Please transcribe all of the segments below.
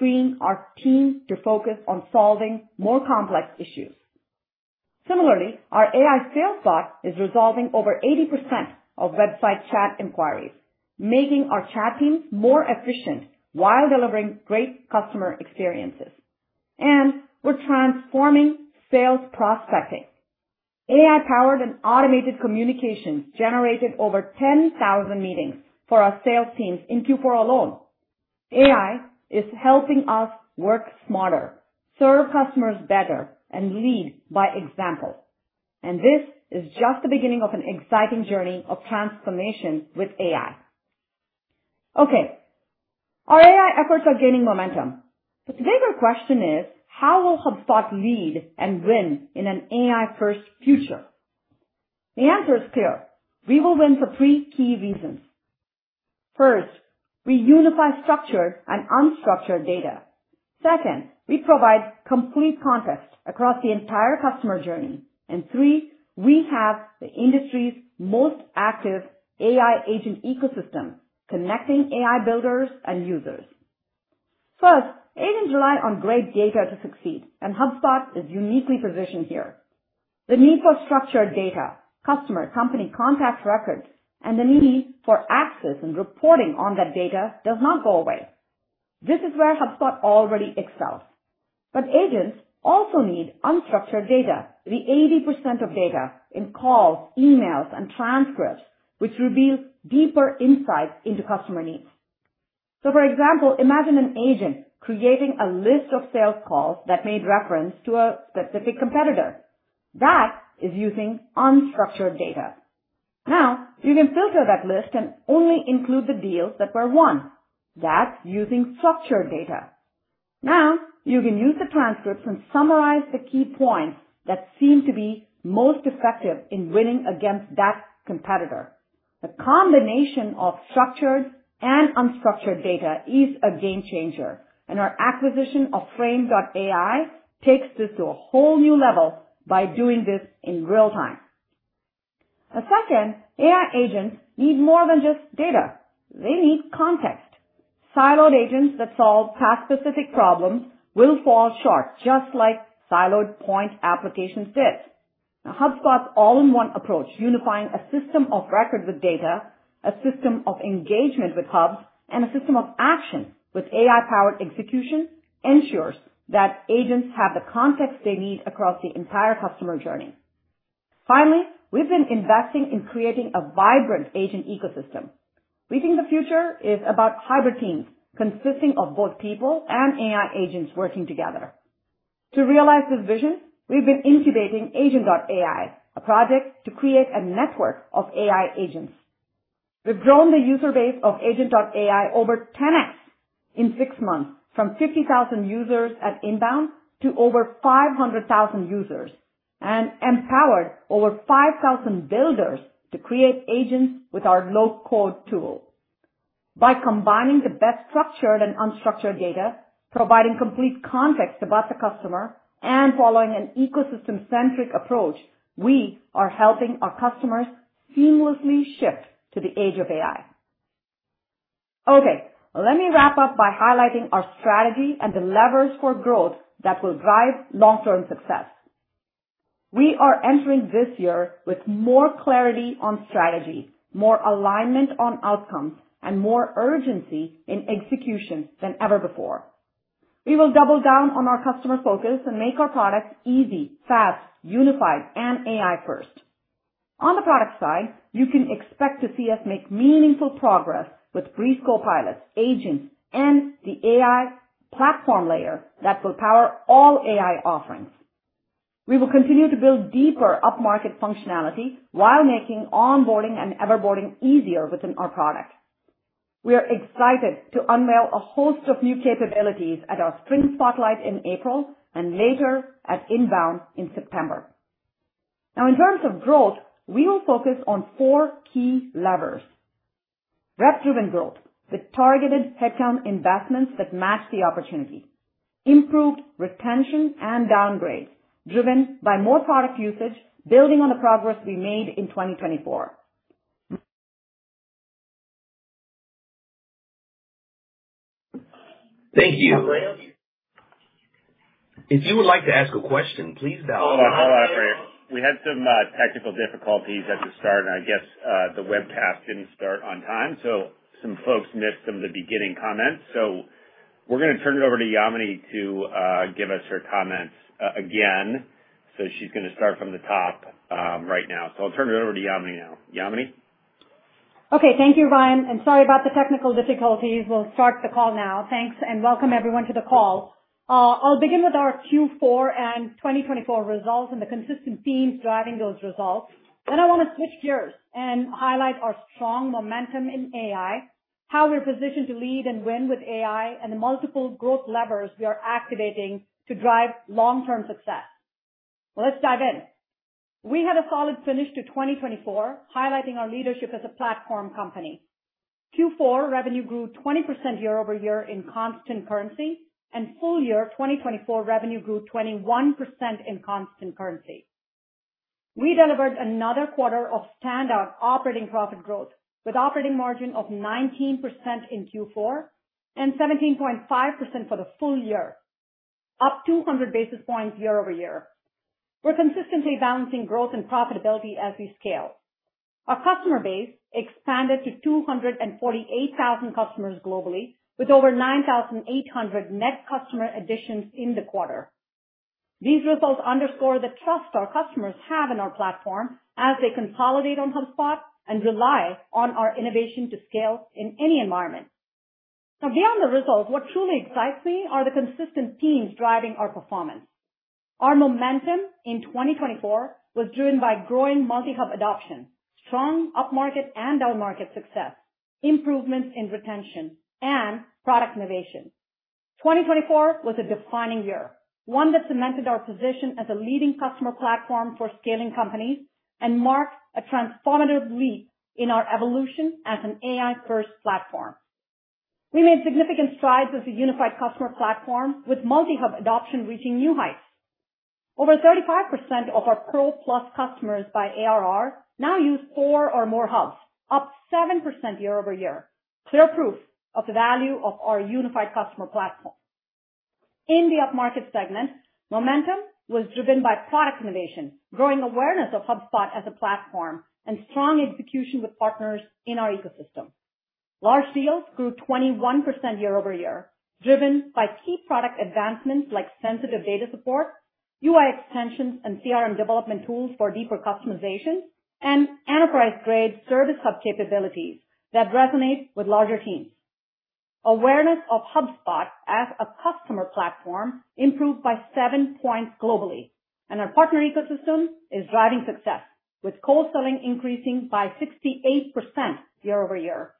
Training our team to focus on solving more complex issues. Similarly, our AI sales bot is resolving over 80% of website chat inquiries, making our chat teams more efficient while delivering great customer experiences, and we're transforming sales prospecting. AI-powered and automated communications generated over 10,000 meetings for our sales teams in Q4 alone. AI is helping us work smarter, serve customers better, and lead by example, and this is just the beginning of an exciting journey of transformation with AI. Okay, our AI efforts are gaining momentum, but the bigger question is, how will HubSpot lead and win in an AI-first future? The answer is clear. We will win for three key reasons. First, we unify structured and unstructured data. Second, we provide complete context across the entire customer journey, and three, we have the industry's most active AI agent ecosystem connecting AI builders and users. First, agents rely on great data to succeed, and HubSpot is uniquely positioned here. The need for structured data, customer company contact records, and the need for access and reporting on that data does not go away. This is where HubSpot already excels. But agents also need unstructured data, the 80% of data in calls, emails, and transcripts, which reveal deeper insights into customer needs. So, for example, imagine an agent creating a list of sales calls that made reference to a specific competitor. That is using unstructured data. Now, you can filter that list and only include the deals that were won. That's using structured data. Now, you can use the transcripts and summarize the key points that seem to be most effective in winning against that competitor. The combination of structured and unstructured data is a game changer, and our acquisition of Frame AI takes this to a whole new level by doing this in real time. Second, AI agents need more than just data. They need context. Siloed agents that solve task-specific problems will fall short, just like siloed point applications did. Now, HubSpot's all-in-one approach, unifying a system of records with data, a system of engagement with hubs, and a system of action with AI-powered execution, ensures that agents have the context they need across the entire customer journey. Finally, we've been investing in creating a vibrant agent ecosystem. We think the future is about hybrid teams consisting of both people and AI agents working together. To realize this vision, we've been incubating Agent.ai, a project to create a network of AI agents. We've grown the user base of Agent.ai over 10x in six months, from 50,000 users at INBOUND to over 500,000 users, and empowered over 5,000 builders to create agents with our low-code tool. By combining the best structured and unstructured data, providing complete context about the customer, and following an ecosystem-centric approach, we are helping our customers seamlessly shift to the age of AI. Okay, let me wrap up by highlighting our strategy and the levers for growth that will drive long-term success. We are entering this year with more clarity on strategy, more alignment on outcomes, and more urgency in execution than ever before. We will double down on our customer focus and make our products easy, fast, unified, and AI-first. On the product side, you can expect to see us make meaningful progress with Breeze Copilots, agents, and the AI platform layer that will power all AI offerings. We will continue to build deeper up-market functionality while making onboarding and everboarding easier within our product. We are excited to unveil a host of new capabilities at our Spring Spotlight in April and later at INBOUND in September. Now, in terms of growth, we will focus on four key levers: rep-driven growth with targeted headcount investments that match the opportunity. Improved retention and downgrades driven by more product usage, building on the progress we made in 2024. Thank you. If you would like to ask a question, please dial in. Hold on, hold on, Ryan. We had some technical difficulties at the start, and I guess the webcast didn't start on time, so some folks missed some of the beginning comments. So we're going to turn it over to Yamini to give us her comments again. So she's going to start from the top right now. So I'll turn it over to Yamini now. Yamini? Okay, thank you, Ryan, and sorry about the technical difficulties. We'll start the call now. Thanks, and welcome everyone to the call. I'll begin with our Q4 and 2024 results and the consistent themes driving those results. Then I want to switch gears and highlight our strong momentum in AI, how we're positioned to lead and win with AI, and the multiple growth levers we are activating to drive long-term success. Let's dive in. We had a solid finish to 2024, highlighting our leadership as a platform company. Q4 revenue grew 20% year-over-year in constant currency, and full year 2024 revenue grew 21% in constant currency. We delivered another quarter of standout operating profit growth with an operating margin of 19% in Q4 and 17.5% for the full year, up 200 basis points year-over-year. We're consistently balancing growth and profitability as we scale. Our customer base expanded to 248,000 customers globally, with over 9,800 net customer additions in the quarter. These results underscore the trust our customers have in our platform as they consolidate on HubSpot and rely on our innovation to scale in any environment. Now, beyond the results, what truly excites me are the consistent themes driving our performance. Our momentum in 2024 was driven by growing Multi-Hub adoption, strong up-market and down-market success, improvements in retention, and product innovation. 2024 was a defining year, one that cemented our position as a leading customer platform for scaling companies and marked a transformative leap in our evolution as an AI-first platform. We made significant strides as a unified customer platform, with Multi-Hub adoption reaching new heights. Over 35% of our Pro+ customers by ARR now use four or more hubs, up 7% year-over-year, clear proof of the value of our unified customer platform. In the up-market segment, momentum was driven by product innovation, growing awareness of HubSpot as a platform, and strong execution with partners in our ecosystem. Large deals grew 21% year-over-year, driven by key product advancements like sensitive data support, UI extensions, and CRM development tools for deeper customization, and enterprise-grade service hub capabilities that resonate with larger teams. Awareness of HubSpot as a customer platform improved by seven points globally, and our partner ecosystem is driving success, with co-selling increasing by 68% year-over-year.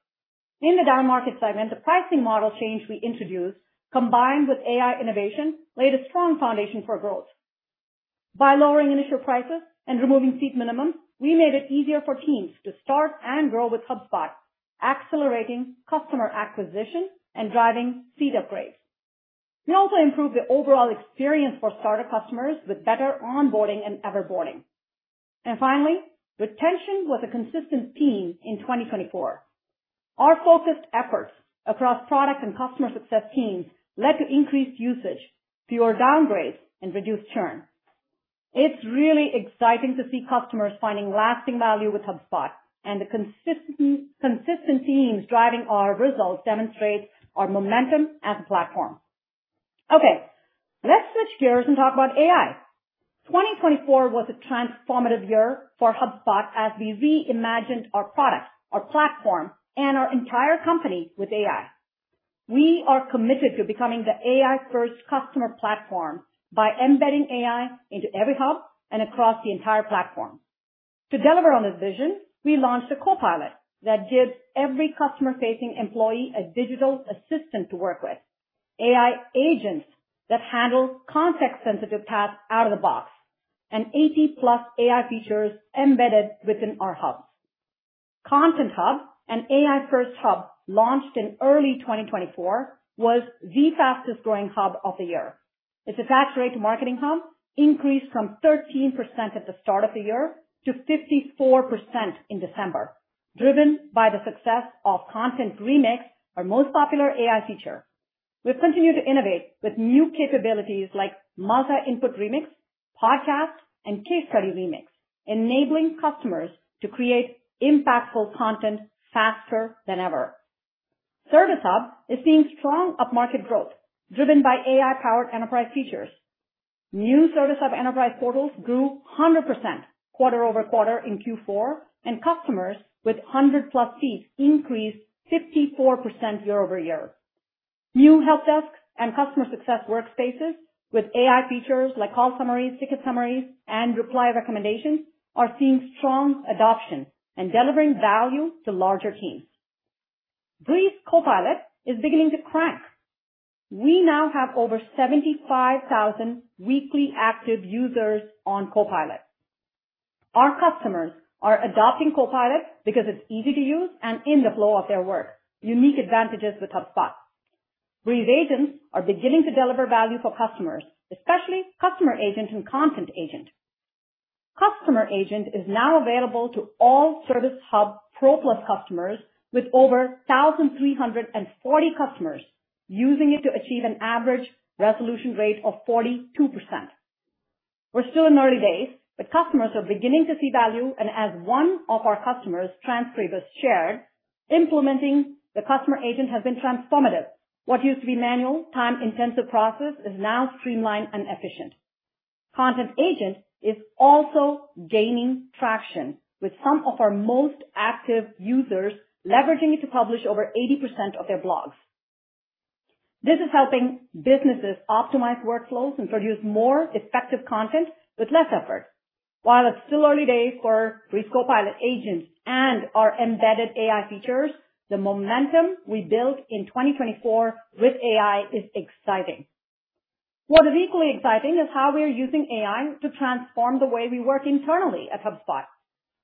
In the down-market segment, the pricing model change we introduced, combined with AI innovation, laid a strong foundation for growth. By lowering initial prices and removing seat minimums, we made it easier for teams to start and grow with HubSpot, accelerating customer acquisition and driving suite upgrades. We also improved the overall experience for starter customers with better onboarding and everboarding. And finally, retention was a consistent theme in 2024. Our focused efforts across product and customer success teams led to increased usage, fewer downgrades, and reduced churn. It's really exciting to see customers finding lasting value with HubSpot, and the consistent themes driving our results demonstrate our momentum as a platform. Okay, let's switch gears and talk about AI. 2024 was a transformative year for HubSpot as we reimagined our product, our platform, and our entire company with AI. We are committed to becoming the AI-first customer platform by embedding AI into every hub and across the entire platform. To deliver on this vision, we launched a copilot that gives every customer-facing employee a digital assistant to work with, AI agents that handle context-sensitive tasks out of the box, and 80+ AI features embedded within our hubs. Content Hub, an AI-first hub launched in early 2024, was the fastest-growing hub of the year. Its attached rate to Marketing Hub increased from 13% at the start of the year to 54% in December, driven by the success of Content Remix, our most popular AI feature. We've continued to innovate with new capabilities like multi-input remix, podcast, and case study remix, enabling customers to create impactful content faster than ever. Service Hub is seeing strong up-market growth driven by AI-powered enterprise features. New Service Hub Enterprise portals grew 100% quarter-over-quarter in Q4, and customers with 100+ seats increased 54% year-over-year. New Help Desks and Customer Success Workspaces with AI features like call summaries, ticket summaries, and reply recommendations are seeing strong adoption and delivering value to larger teams. Breeze Copilot is beginning to crank. We now have over 75,000 weekly active users on Copilot. Our customers are adopting Copilot because it's easy to use and in the flow of their work, unique advantages with HubSpot. Breeze Agents are beginning to deliver value for customers, especially Customer Agent and Content Agent. Customer Agent is now available to all Service Hub Pro+ customers with over 1,340 customers using it to achieve an average resolution rate of 42%. We're still in the early days, but customers are beginning to see value, and as one of our customers, Transkribus, shared, implementing the Customer Agent has been transformative. What used to be a manual, time-intensive process is now streamlined and efficient. Content Agent is also gaining traction, with some of our most active users leveraging it to publish over 80% of their blogs. This is helping businesses optimize workflows and produce more effective content with less effort. While it's still early days for Breeze Copilot agents and our embedded AI features, the momentum we built in 2024 with AI is exciting. What is equally exciting is how we are using AI to transform the way we work internally at HubSpot.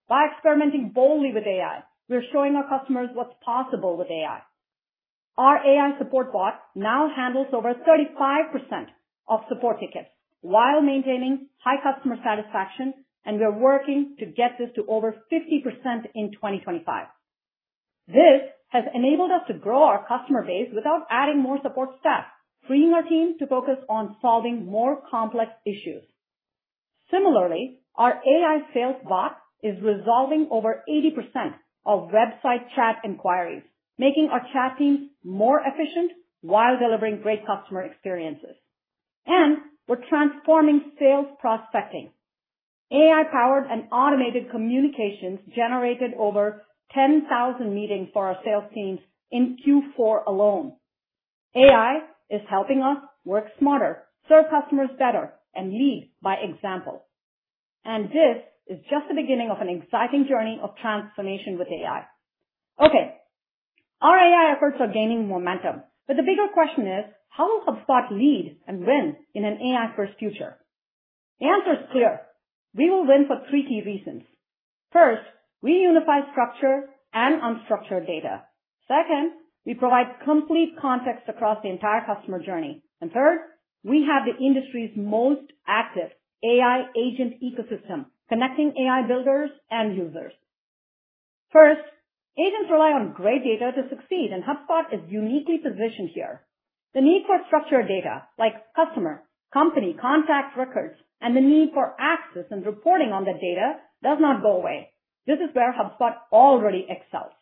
By experimenting boldly with AI, we're showing our customers what's possible with AI. Our AI support bot now handles over 35% of support tickets while maintaining high customer satisfaction, and we're working to get this to over 50% in 2025. This has enabled us to grow our customer base without adding more support staff, freeing our team to focus on solving more complex issues. Similarly, our AI sales bot is resolving over 80% of website chat inquiries, making our chat teams more efficient while delivering great customer experiences, and we're transforming sales prospecting. AI-powered and automated communications generated over 10,000 meetings for our sales teams in Q4 alone. AI is helping us work smarter, serve customers better, and lead by example, and this is just the beginning of an exciting journey of transformation with AI. Okay, our AI efforts are gaining momentum, but the bigger question is, how will HubSpot lead and win in an AI-first future? The answer is clear. We will win for three key reasons. First, we unify structured and unstructured data. Second, we provide complete context across the entire customer journey, and third, we have the industry's most active AI agent ecosystem connecting AI builders and users. First, agents rely on great data to succeed, and HubSpot is uniquely positioned here. The need for structured data like customer, company, contact records, and the need for access and reporting on that data does not go away. This is where HubSpot already excels.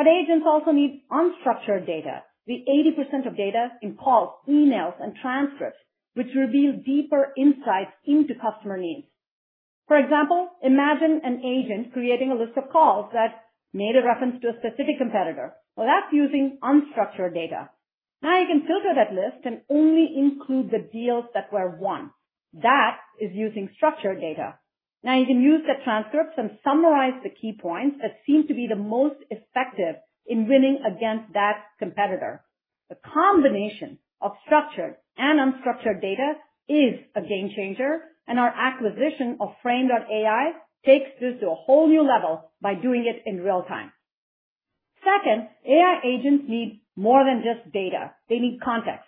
But agents also need unstructured data, the 80% of data in calls, emails, and transcripts, which reveal deeper insights into customer needs. For example, imagine an agent creating a list of calls that made a reference to a specific competitor. Well, that's using unstructured data. Now you can filter that list and only include the deals that were won. That is using structured data. Now you can use the transcripts and summarize the key points that seem to be the most effective in winning against that competitor. The combination of structured and unstructured data is a game changer, and our acquisition of Frame AI takes this to a whole new level by doing it in real time. Second, AI agents need more than just data. They need context.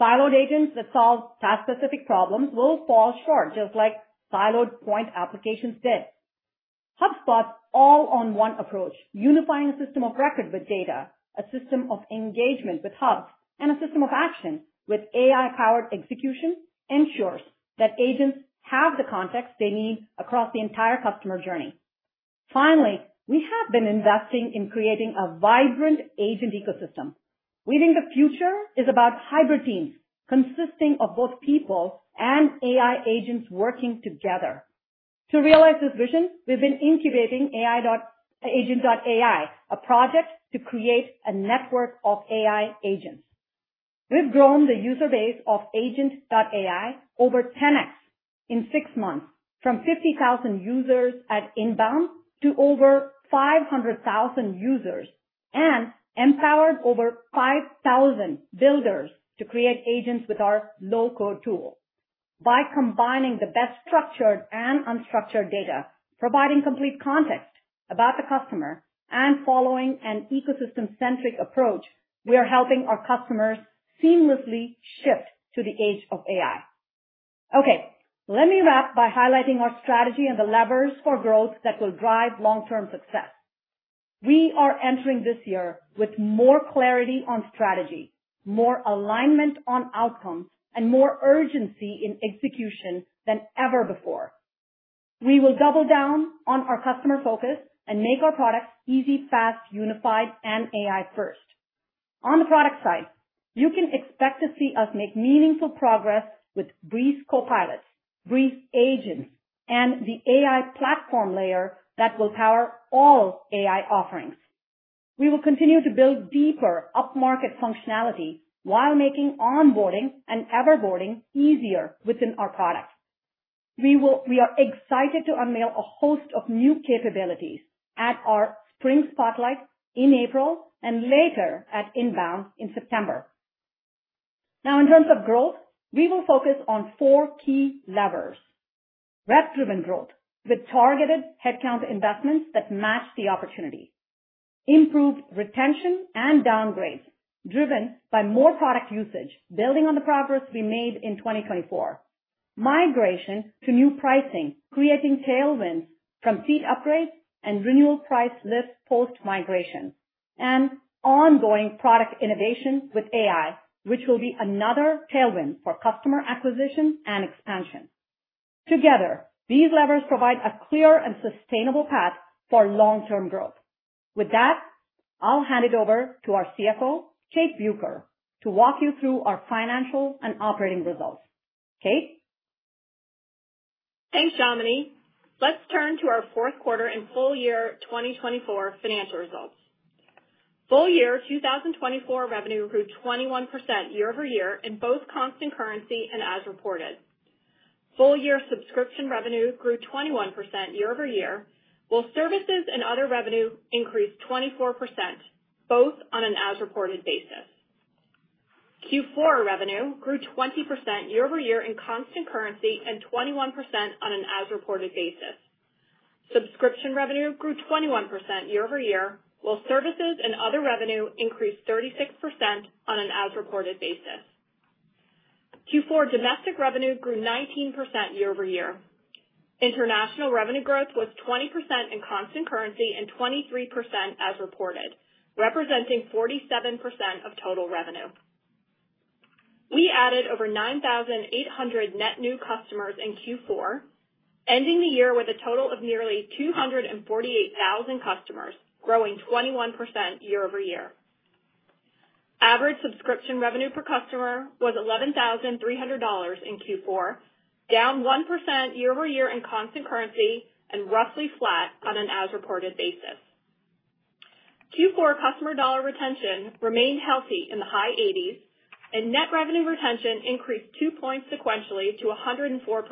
Siloed agents that solve task-specific problems will fall short, just like siloed point applications did. HubSpot's all-in-one approach, unifying a system of record with data, a system of engagement with hubs, and a system of action with AI-powered execution ensures that agents have the context they need across the entire customer journey. Finally, we have been investing in creating a vibrant agent ecosystem. We think the future is about hybrid teams consisting of both people and AI agents working together. To realize this vision, we've been incubating Agent.ai, a project to create a network of AI agents. We've grown the user base of Agent.ai over 10x in six months, from 50,000 users at INBOUND to over 500,000 users, and empowered over 5,000 builders to create agents with our low-code tool. By combining the best structured and unstructured data, providing complete context about the customer, and following an ecosystem-centric approach, we are helping our customers seamlessly shift to the age of AI. Okay, let me wrap by highlighting our strategy and the levers for growth that will drive long-term success. We are entering this year with more clarity on strategy, more alignment on outcomes, and more urgency in execution than ever before. We will double down on our customer focus and make our products easy, fast, unified, and AI-first. On the product side, you can expect to see us make meaningful progress with Breeze Copilots, Breeze Agents, and the AI platform layer that will power all AI offerings. We will continue to build deeper up-market functionality while making onboarding and everboarding easier within our product. We are excited to unveil a host of new capabilities at our Spring Spotlight in April and later at INBOUND in September. Now, in terms of growth, we will focus on four key levers. Rep-driven growth with targeted headcount investments that match the opportunity. Improved retention and downgrades driven by more product usage, building on the progress we made in 2024. Migration to new pricing, creating tailwinds from seat upgrades and renewal price lifts post-migration. And ongoing product innovation with AI, which will be another tailwind for customer acquisition and expansion. Together, these levers provide a clear and sustainable path for long-term growth. With that, I'll hand it over to our CFO, Kate Bueker, to walk you through our financial and operating results. Kate? Thanks, Yamini. Let's turn to our fourth quarter and full year 2024 financial results. Full year 2024 revenue grew 21% year-over-year in both constant currency and as reported. Full year subscription revenue grew 21% year-over-year, while services and other revenue increased 24%, both on an as-reported basis. Q4 revenue grew 20% year-over-year in constant currency and 21% on an as-reported basis. Subscription revenue grew 21% year-over-year, while services and other revenue increased 36% on an as-reported basis. Q4 domestic revenue grew 19% year-over-year. International revenue growth was 20% in constant currency and 23% as reported, representing 47% of total revenue. We added over 9,800 net new customers in Q4, ending the year with a total of nearly 248,000 customers, growing 21% year-over-year. Average subscription revenue per customer was $11,300 in Q4, down 1% year-over-year in constant currency and roughly flat on an as-reported basis. Q4 customer dollar retention remained healthy in the high 80s, and net revenue retention increased two points sequentially to 104%,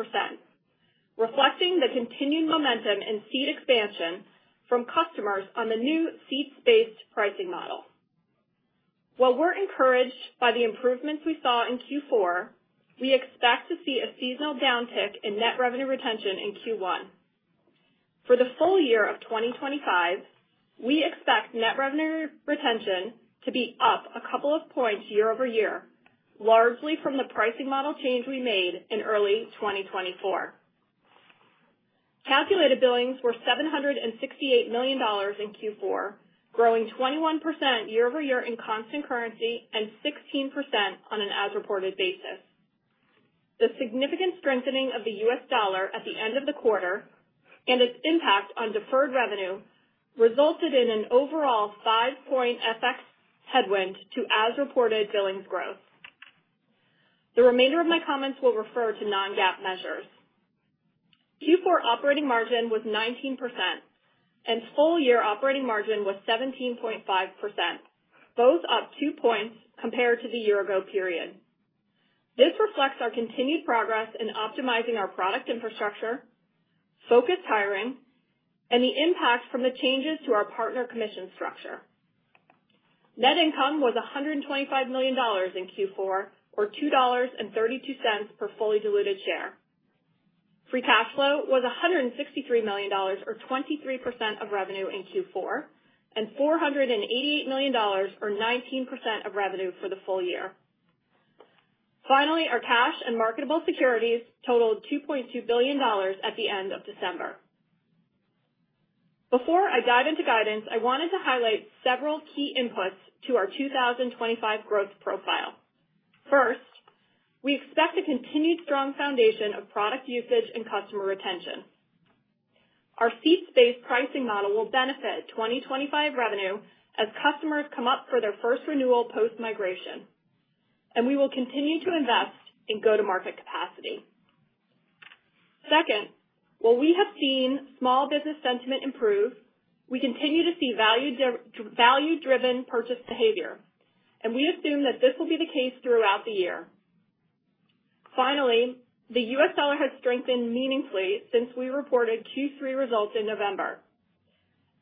reflecting the continued momentum in seat expansion from customers on the new seat-based pricing model. While we're encouraged by the improvements we saw in Q4, we expect to see a seasonal downtick in net revenue retention in Q1. For the full year of 2025, we expect net revenue retention to be up a couple of points year-over-year, largely from the pricing model change we made in early 2024. Calculated billings were $768 million in Q4, growing 21% year-over-year in constant currency and 16% on an as-reported basis. The significant strengthening of the U.S. dollar at the end of the quarter and its impact on deferred revenue resulted in an overall 5-point FX headwind to as-reported billings growth. The remainder of my comments will refer to non-GAAP measures. Q4 operating margin was 19%, and full year operating margin was 17.5%, both up two points compared to the year-ago period. This reflects our continued progress in optimizing our product infrastructure, focused hiring, and the impact from the changes to our partner commission structure. Net income was $125 million in Q4, or $2.32 per fully diluted share. Free cash flow was $163 million, or 23% of revenue in Q4, and $488 million, or 19% of revenue for the full year. Finally, our cash and marketable securities totaled $2.2 billion at the end of December. Before I dive into guidance, I wanted to highlight several key inputs to our 2025 growth profile. First, we expect a continued strong foundation of product usage and customer retention. Our seat-based pricing model will benefit 2025 revenue as customers come up for their first renewal post-migration, and we will continue to invest in go-to-market capacity. Second, while we have seen small business sentiment improve, we continue to see value-driven purchase behavior, and we assume that this will be the case throughout the year. Finally, the U.S. dollar has strengthened meaningfully since we reported Q3 results in November.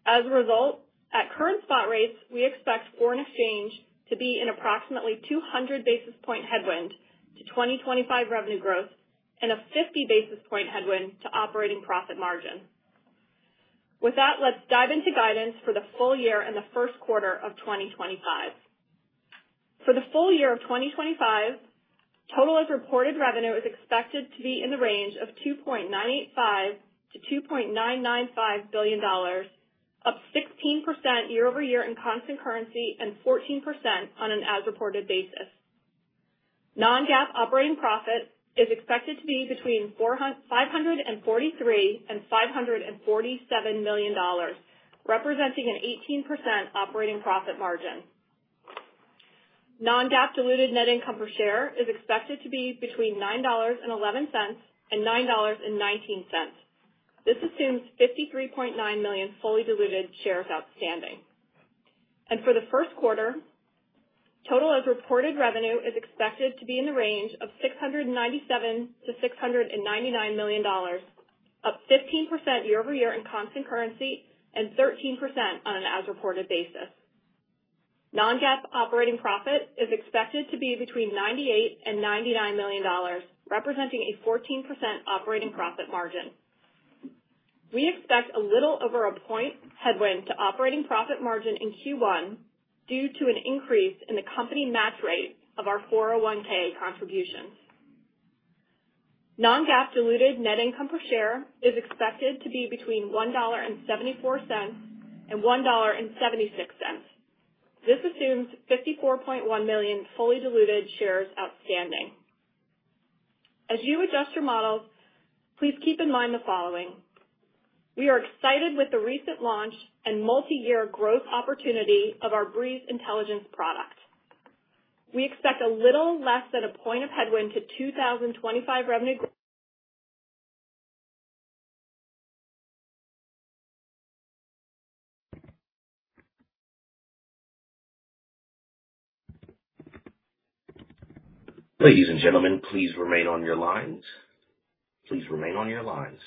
As a result, at current spot rates, we expect foreign exchange to be an approximately 200 basis points headwind to 2025 revenue growth and a 50 basis points headwind to operating profit margin. With that, let's dive into guidance for the full year and the first quarter of 2025. For the full year of 2025, total as-reported revenue is expected to be in the range of $2.985 billion-$2.995 billion, up 16% year-over-year in constant currency and 14% on an as-reported basis. Non-GAAP operating profit is expected to be between $543 million-$547 million, representing an 18% operating profit margin. Non-GAAP diluted net income per share is expected to be between $9.11-$9.19. This assumes 53.9 million fully diluted shares outstanding. And for the first quarter, total as-reported revenue is expected to be in the range of $697 million-$699 million, up 15% year-over-year in constant currency and 13% on an as-reported basis. Non-GAAP operating profit is expected to be between $98 million-$99 million, representing a 14% operating profit margin. We expect a little over a point headwind to operating profit margin in Q1 due to an increase in the company match rate of our 401(k) contributions. Non-GAAP diluted net income per share is expected to be between $1.74 and $1.76. This assumes 54.1 million fully diluted shares outstanding. As you adjust your models, please keep in mind the following. We are excited with the recent launch and multi-year growth opportunity of our Breeze Intelligence product. We expect a little less than a point of headwind to 2025 revenue growth. Ladies and gentlemen, please remain on your lines. Please remain on your lines.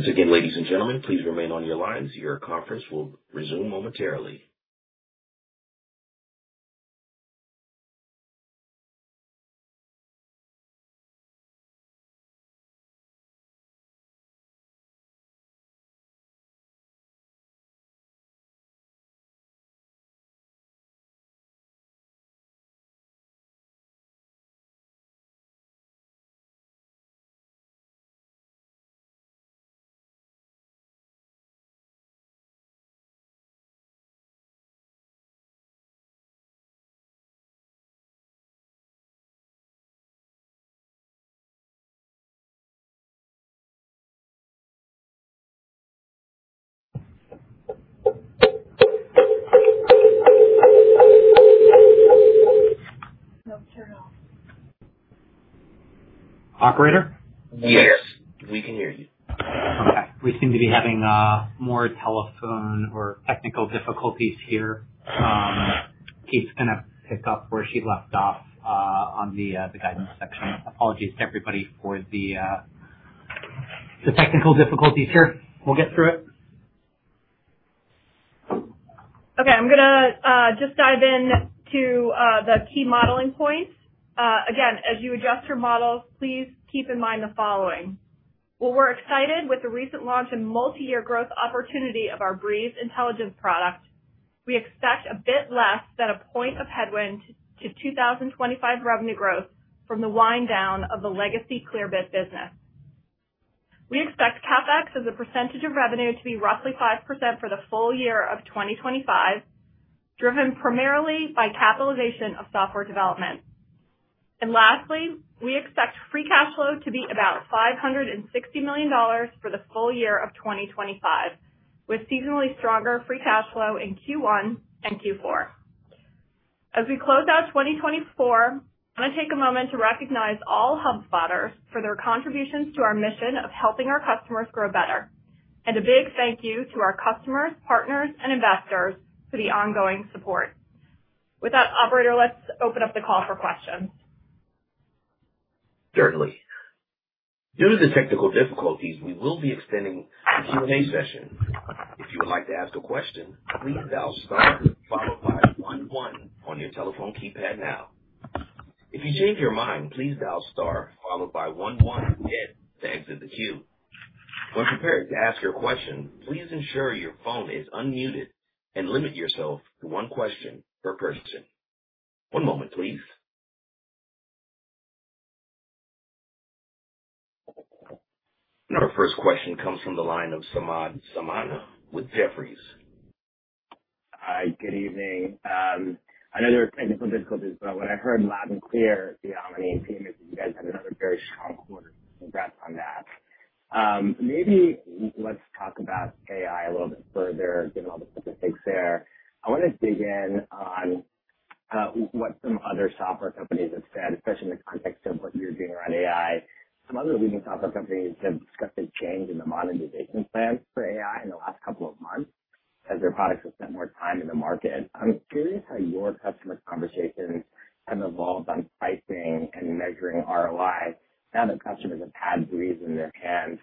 Once again, ladies and gentlemen, please remain on your lines. Your conference will resume momentarily. Operator? Yes. We can hear you. Okay. We seem to be having more telephone or technical difficulties here. Kate's going to pick up where she left off on the guidance section. Apologies to everybody for the technical difficulties here. We'll get through it. Okay. I'm going to just dive into the key modeling points. Again, as you adjust your models, please keep in mind the following. While we're excited with the recent launch and multi-year growth opportunity of our Breeze Intelligence product, we expect a bit less than a point of headwind to 2025 revenue growth from the wind down of the legacy Clearbit business. We expect CapEx as a percentage of revenue to be roughly 5% for the full year of 2025, driven primarily by capitalization of software development, and lastly, we expect free cash flow to be about $560 million for the full year of 2025, with seasonally stronger free cash flow in Q1 and Q4. As we close out 2024, I want to take a moment to recognize all HubSpotters for their contributions to our mission of helping our customers grow better, and a big thank you to our customers, partners, and investors for the ongoing support. With that, Operator, let's open up the call for questions. Certainly. Due to the technical difficulties, we will be extending the Q&A session. If you would like to ask a question, please dial star, followed by one one on your telephone keypad now. If you change your mind, please dial star, followed by one one, again, to exit the queue. When preparing to ask your question, please ensure your phone is unmuted and limit yourself to one question per person. One moment, please. Our first question comes from the line of Samad Samana with Jefferies. Hi. Good evening. I know there are technical difficulties, but what I heard loud and clear, Yamini and team, is that you guys had another very strong quarter. Congrats on that. Maybe let's talk about AI a little bit further, given all the specifics there. I want to dig in on what some other software companies have said, especially in the context of what you're doing around AI. Some other leading software companies have discussed a change in the monetization plan for AI in the last couple of months as their products have spent more time in the market. I'm curious how your customer conversations have evolved on pricing and measuring ROI now that customers have had Breeze in their hands.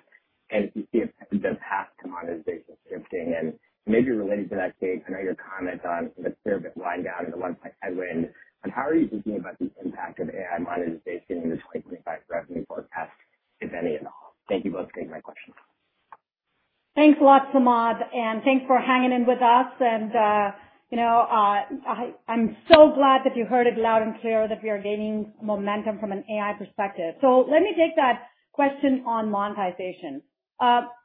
And if you see the path to monetization shifting, and maybe related to that, Kate, I know your comment on the Clearbit wind down and the one-point headwind, but how are you thinking about the impact of AI monetization in the 2025 revenue forecast, if any at all? Thank you both for taking my question. Thanks a lot, Samad. And thanks for hanging in with us. And I'm so glad that you heard it loud and clear that we are gaining momentum from an AI perspective. So let me take that question on monetization.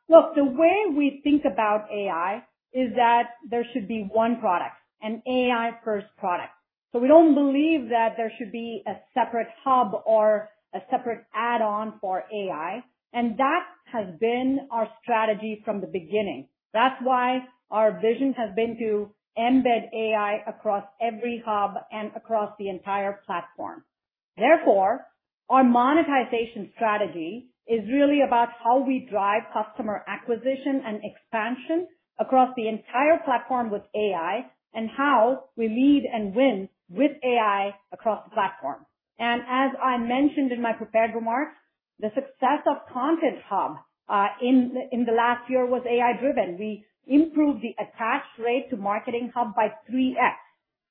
Look, the way we think about AI is that there should be one product, an AI-first product. So we don't believe that there should be a separate hub or a separate add-on for AI. And that has been our strategy from the beginning. That's why our vision has been to embed AI across every hub and across the entire platform. Therefore, our monetization strategy is really about how we drive customer acquisition and expansion across the entire platform with AI and how we lead and win with AI across the platform. And as I mentioned in my prepared remarks, the success of Content Hub in the last year was AI-driven. We improved the attach rate to Marketing Hub by 3x.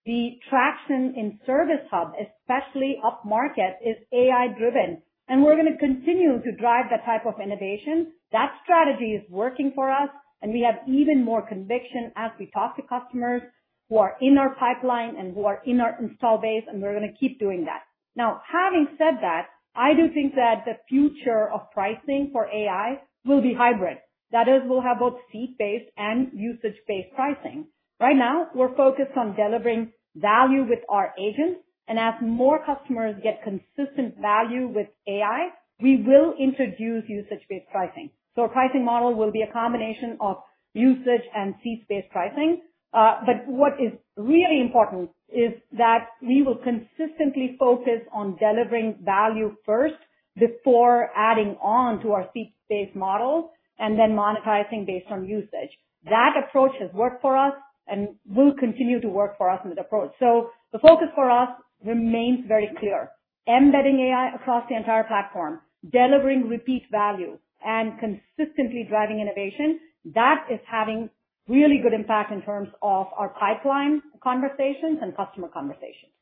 The traction in Service Hub, especially upmarket, is AI-driven. And we're going to continue to drive that type of innovation. That strategy is working for us, and we have even more conviction as we talk to customers who are in our pipeline and who are in our installed base, and we're going to keep doing that. Now, having said that, I do think that the future of pricing for AI will be hybrid. That is, we'll have both seat-based and usage-based pricing. Right now, we're focused on delivering value with our agents. And as more customers get consistent value with AI, we will introduce usage-based pricing. So our pricing model will be a combination of usage and seat-based pricing. But what is really important is that we will consistently focus on delivering value first before adding on to our seat-based model and then monetizing based on usage. That approach has worked for us and will continue to work for us in that approach. So the focus for us remains very clear. Embedding AI across the entire platform, delivering repeat value, and consistently driving innovation, that is having really good impact in terms of our pipeline conversations and customer conversations.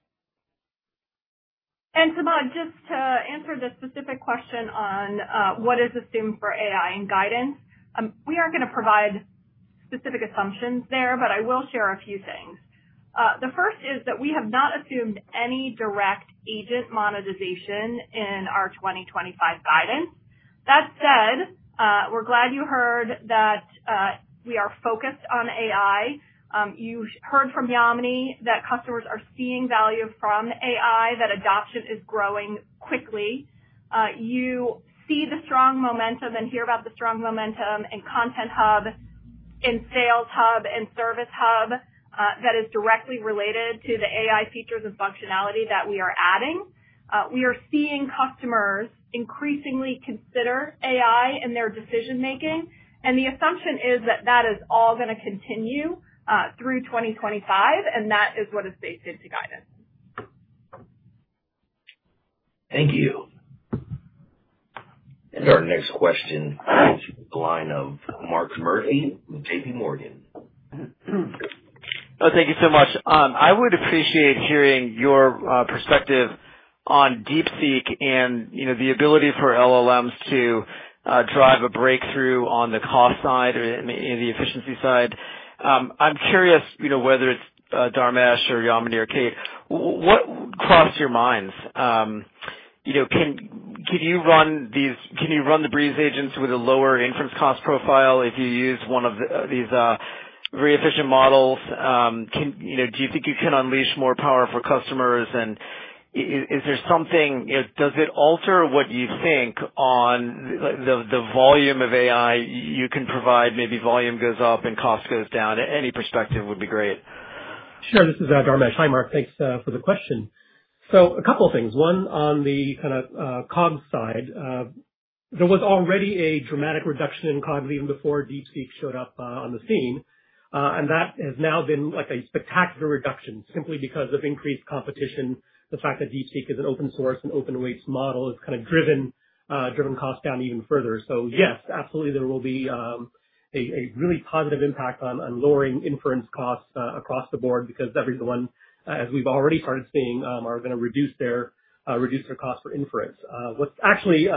And Samad, just to answer the specific question on what is assumed for AI in guidance, we aren't going to provide specific assumptions there, but I will share a few things. The first is that we have not assumed any direct agent monetization in our 2025 guidance. That said, we're glad you heard that we are focused on AI. You heard from Yamini that customers are seeing value from AI, that adoption is growing quickly. You see the strong momentum and hear about the strong momentum in Content Hub, in Sales Hub, and Service Hub that is directly related to the AI features and functionality that we are adding. We are seeing customers increasingly consider AI in their decision-making. And the assumption is that that is all going to continue through 2025, and that is what is stated in the guidance. Thank you. Our next question is from the line of Mark Murphy with J.P. Morgan. Thank you so much. I would appreciate hearing your perspective on DeepSeek and the ability for LLMs to drive a breakthrough on the cost side or the efficiency side. I'm curious whether it's Dharmesh or Yamini or Kate, what crossed your minds? Can you run these? Can you run the Breeze Agents with a lower inference cost profile if you use one of these very efficient models? Do you think you can unleash more power for customers? And is there something? Does it alter what you think on the volume of AI you can provide? Maybe volume goes up and cost goes down. Any perspective would be great. Sure. This is Dharmesh. Hi, Mark. Thanks for the question. So a couple of things. One on the kind of COGS side. There was already a dramatic reduction in COGS even before DeepSeek showed up on the scene, and that has now been a spectacular reduction simply because of increased competition. The fact that DeepSeek is an open-source and open-weights model has kind of driven costs down even further, so yes, absolutely, there will be a really positive impact on lowering inference costs across the board because everyone, as we've already started seeing, are going to reduce their costs for inference. What's actually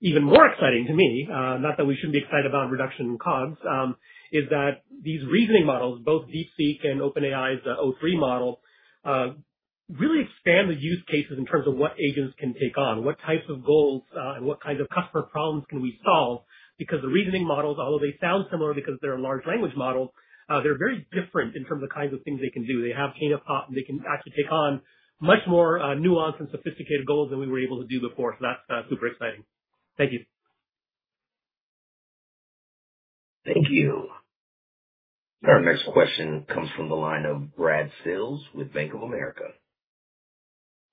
even more exciting to me, not that we shouldn't be excited about reduction in COGS, is that these reasoning models, both DeepSeek and OpenAI's o3 model, really expand the use cases in terms of what agents can take on, what types of goals, and what kinds of customer problems can we solve. Because the reasoning models, although they sound similar because they're a large language model, they're very different in terms of the kinds of things they can do. They have chain of thought, and they can actually take on much more nuanced and sophisticated goals than we were able to do before. So that's super exciting. Thank you. Thank you. Our next question comes from the line of Brad Sills with Bank of America.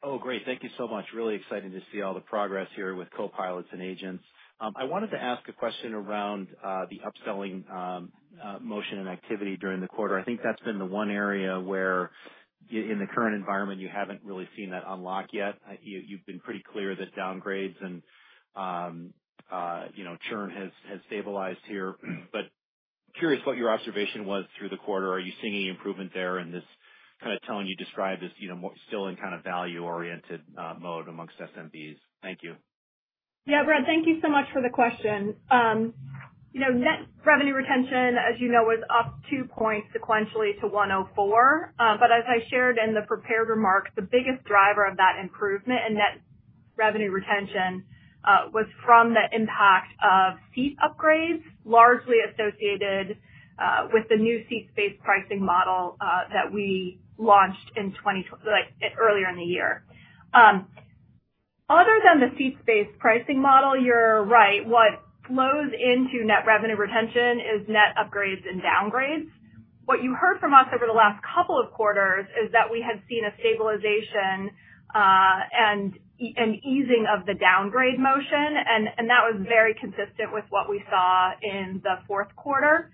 Oh, great. Thank you so much. Really excited to see all the progress here with Copilots and agents. I wanted to ask a question around the upselling motion and activity during the quarter. I think that's been the one area where, in the current environment, you haven't really seen that unlock yet. You've been pretty clear that downgrades and churn has stabilized here. But curious what your observation was through the quarter. Are you seeing any improvement there in this kind of tone you described as still in kind of value-oriented mode amongst SMBs? Thank you. Yeah, Brad, thank you so much for the question. Net revenue retention, as you know, was up two points sequentially to 104. But as I shared in the prepared remarks, the biggest driver of that improvement in net revenue retention was from the impact of seat upgrades, largely associated with the new seat-based pricing model that we launched earlier in the year. Other than the seat-based pricing model, you're right, what flows into net revenue retention is net upgrades and downgrades. What you heard from us over the last couple of quarters is that we had seen a stabilization and easing of the downgrade motion. That was very consistent with what we saw in the fourth quarter.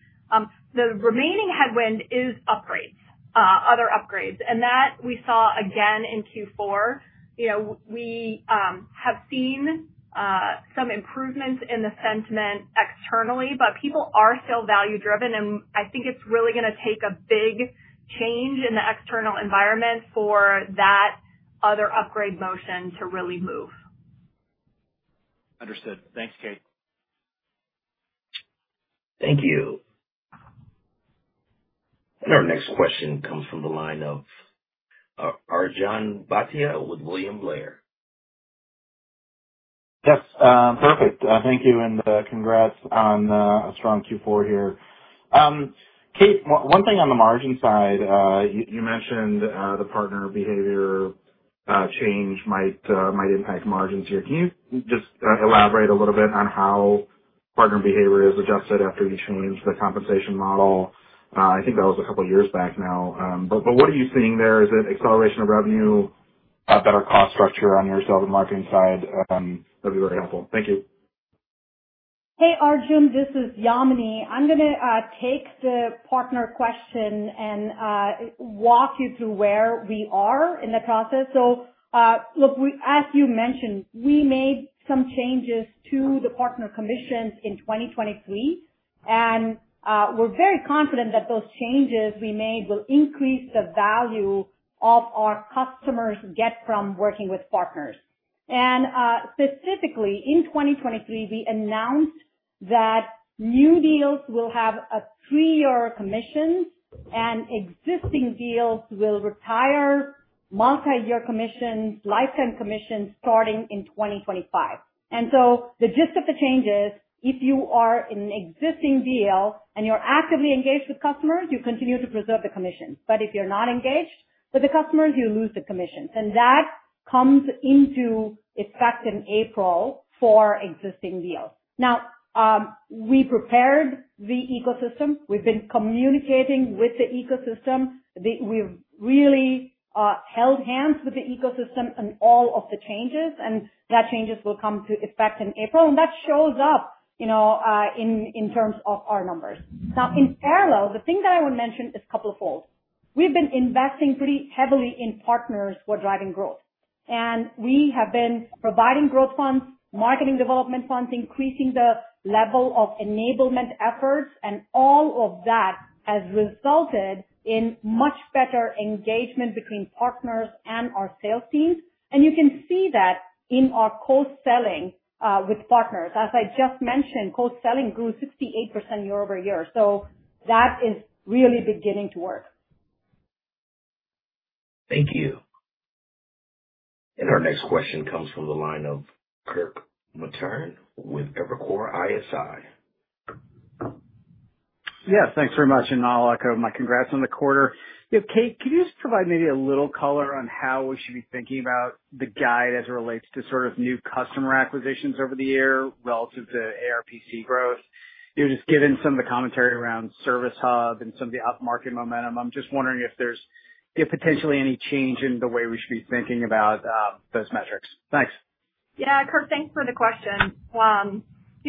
The remaining headwind is upgrades, other upgrades. And that we saw again in Q4. We have seen some improvements in the sentiment externally, but people are still value-driven. And I think it's really going to take a big change in the external environment for that other upgrade motion to really move. Understood. Thanks, Kate. Thank you. And our next question comes from the line of Arjun Bhatia with William Blair. Yes. Perfect. Thank you. And congrats on a strong Q4 here. Kate, one thing on the margin side, you mentioned the partner behavior change might impact margins here. Can you just elaborate a little bit on how partner behavior is adjusted after you change the compensation model? I think that was a couple of years back now. But what are you seeing there? Is it acceleration of revenue, a better cost structure on yourself and marketing side? That'd be very helpful. Thank you. Hey, Arjun, this is Yamini. I'm going to take the partner question and walk you through where we are in the process. So look, as you mentioned, we made some changes to the partner commissions in 2023. And we're very confident that those changes we made will increase the value our customers get from working with partners. And specifically, in 2023, we announced that new deals will have a three-year commission, and existing deals will retire multi-year commissions, lifetime commissions starting in 2025. And so the gist of the change is, if you are in an existing deal and you're actively engaged with customers, you continue to preserve the commissions. But if you're not engaged with the customers, you lose the commissions. And that comes into effect in April for existing deals. Now, we prepared the ecosystem. We've been communicating with the ecosystem. We've really held hands with the ecosystem and all of the changes. And those changes will come into effect in April. And that shows up in terms of our numbers. Now, in parallel, the thing that I want to mention is twofold. We've been investing pretty heavily in partners who are driving growth. And we have been providing growth funds, marketing development funds, increasing the level of enablement efforts. And all of that has resulted in much better engagement between partners and our sales teams. And you can see that in our co-selling with partners. As I just mentioned, co-selling grew 68% year-over-year. So that is really beginning to work. Thank you. And our next question comes from the line of Kirk Materne with Evercore ISI. Yes, thanks very much. And I'll echo my congrats on the quarter. Kate, could you just provide maybe a little color on how we should be thinking about the guide as it relates to sort of new customer acquisitions over the year relative to ARPC growth? You've just given some of the commentary around Service Hub and some of the upmarket momentum. I'm just wondering if there's potentially any change in the way we should be thinking about those metrics. Thanks. Yeah, Kirk, thanks for the question.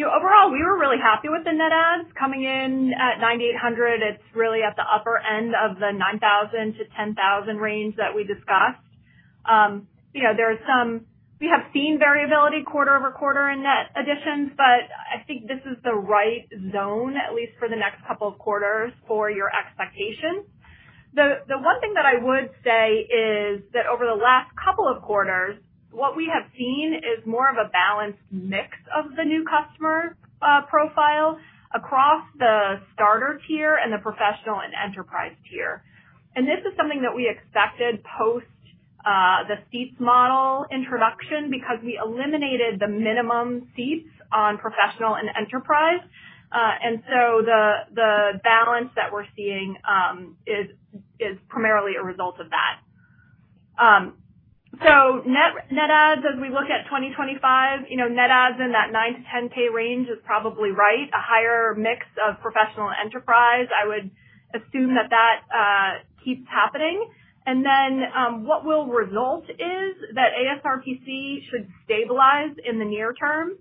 Overall, we were really happy with the net adds coming in at 9,800. It's really at the upper end of the 9,000-10,000 range that we discussed. There's some we have seen variability quarter-over-quarter in net additions, but I think this is the right zone, at least for the next couple of quarters, for your expectations. The one thing that I would say is that over the last couple of quarters, what we have seen is more of a balanced mix of the new customer profile across the starter tier and the professional and enterprise tier. And this is something that we expected post the seats model introduction because we eliminated the minimum seats on professional and enterprise. And so the balance that we're seeing is primarily a result of that. So net adds, as we look at 2025, net adds in that 9 to 10K range is probably right. A higher mix of professional and enterprise, I would assume that that keeps happening. And then what will result is that ASRPC should stabilize in the near term.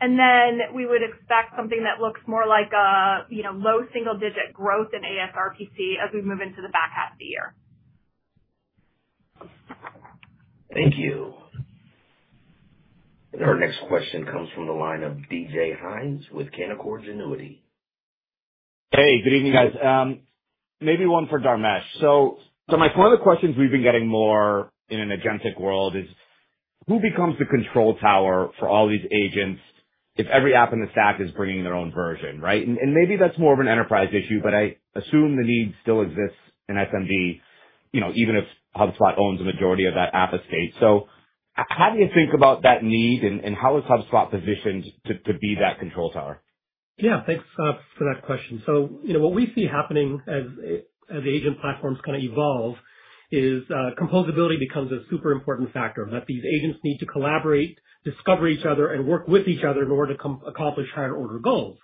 And then we would expect something that looks more like a low single-digit growth in ASRPC as we move into the back half of the year. Thank you. And our next question comes from the line of DJ Hynes with Canaccord Genuity. Hey, good evening, guys. Maybe one for Dharmesh. So my point of the questions we've been getting more in an agentic world is, who becomes the control tower for all these agents if every app in the stack is bringing their own version, right? And maybe that's more of an enterprise issue, but I assume the need still exists in SMB, even if HubSpot owns the majority of that app estate. So how do you think about that need and how is HubSpot positioned to be that control tower? Yeah, thanks for that question. So what we see happening as agent platforms kind of evolve is composability becomes a super important factor that these agents need to collaborate, discover each other, and work with each other in order to accomplish higher-order goals.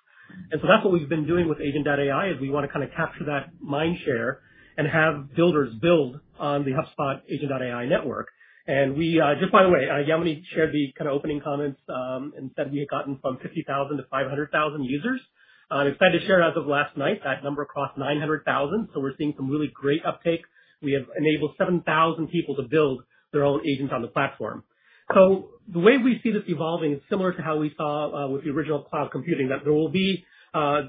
And so that's what we've been doing with Agent.ai is we want to kind of capture that mind share and have builders build on the HubSpot Agent.ai network. And just by the way, Yamini shared the kind of opening comments and said we had gotten from 50,000 to 500,000 users. I'm excited to share as of last night that number crossed 900,000. So we're seeing some really great uptake. We have enabled 7,000 people to build their own agents on the platform. So the way we see this evolving is similar to how we saw with the original cloud computing, that there will be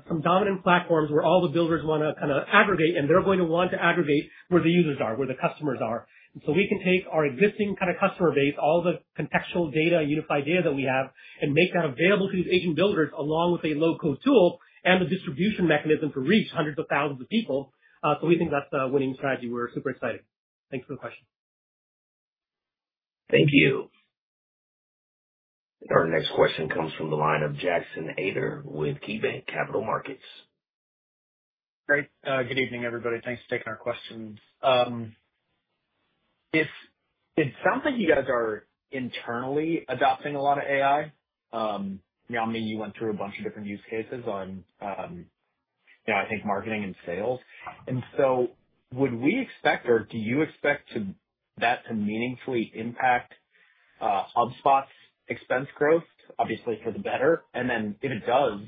some dominant platforms where all the builders want to kind of aggregate, and they're going to want to aggregate where the users are, where the customers are. And so we can take our existing kind of customer base, all the contextual data, unified data that we have, and make that available to these agent builders along with a low-code tool and the distribution mechanism to reach hundreds of thousands of people. So we think that's a winning strategy. We're super excited. Thanks for the question. Thank you. And our next question comes from the line of Jackson Ader with KeyBanc Capital Markets. Great. Good evening, everybody. Thanks for taking our questions. It sounds like you guys are internally adopting a lot of AI. Yamini, you went through a bunch of different use cases on, I think, marketing and sales. And so would we expect or do you expect that to meaningfully impact HubSpot's expense growth, obviously for the better? And then if it does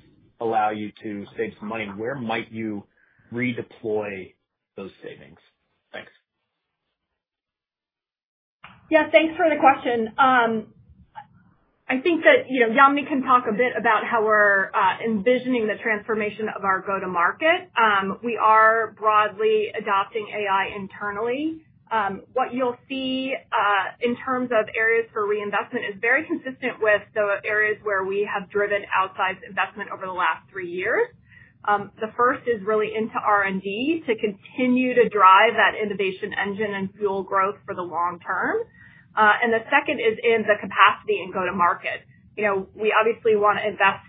allow you to save some money, where might you redeploy those savings? Thanks. Yeah, thanks for the question. I think that Yamini can talk a bit about how we're envisioning the transformation of our go-to-market. We are broadly adopting AI internally. What you'll see in terms of areas for reinvestment is very consistent with the areas where we have driven outsized investment over the last three years. The first is really into R&D to continue to drive that innovation engine and fuel growth for the long term. And the second is in the capacity and go-to-market. We obviously want to invest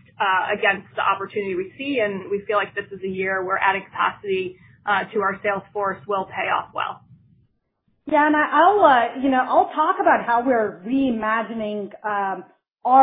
against the opportunity we see, and we feel like this is a year where adding capacity to our sales force will pay off well. Yeah, and I'll talk about how we're reimagining our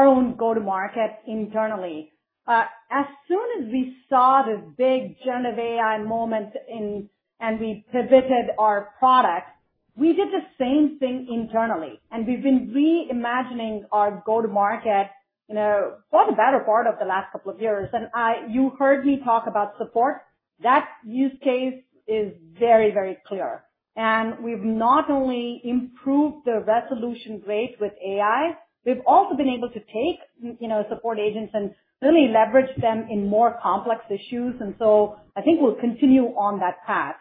own go-to-market internally. As soon as we saw the big GenAI moment and we pivoted our product, we did the same thing internally. And we've been reimagining our go-to-market for the better part of the last couple of years. And you heard me talk about support. That use case is very, very clear. And we've not only improved the resolution rate with AI, we've also been able to take support agents and really leverage them in more complex issues. And so I think we'll continue on that path.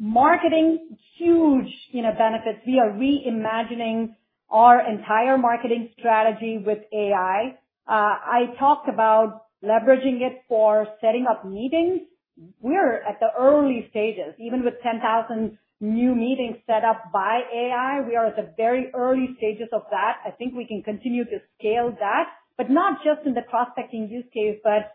Marketing, huge benefits. We are reimagining our entire marketing strategy with AI. I talked about leveraging it for setting up meetings. We're at the early stages. Even with 10,000 new meetings set up by AI, we are at the very early stages of that. I think we can continue to scale that, but not just in the prospecting use case, but